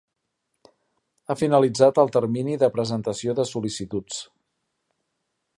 Ha finalitzat el termini de presentació de sol·licituds.